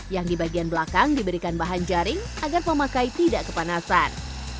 yang di bagian belakang diberikan bahan jaring agar pemakai tidak kepanasan